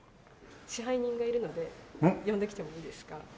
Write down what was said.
支配人がいるので呼んできてもいいですか？